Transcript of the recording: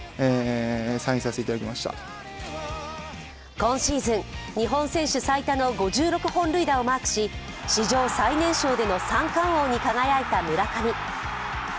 今シーズン、日本選手最多の５６本塁打をマークし、史上最年少での３冠王に輝いた村上。